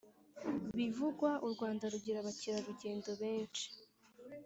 bivugwa u Rwanda rugira abakerarugendo benshi